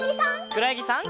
くろやぎさん。